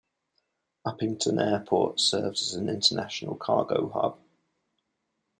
Upington Airport serves as an international cargo hub.